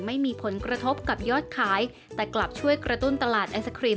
ไม่มีผลกระทบกับยอดขายแต่กลับช่วยกระตุ้นตลาดไอศครีม